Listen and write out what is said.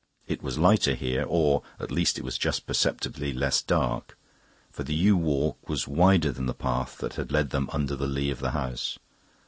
It was lighter here, or at least it was just perceptibly less dark; for the yew walk was wider than the path that had led them under the lea of the house.